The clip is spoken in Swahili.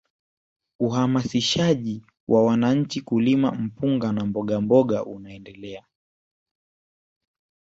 Uhamasishaji wa wananchi kulima mpunga na mbogamboga unaendelea